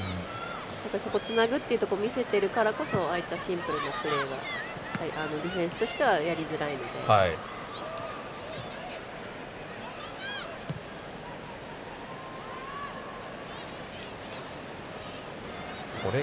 そこつなぐっていうのを見せてるからこそああいったシンプルなシーンがディフェンスとしてはやりづらいみたいな。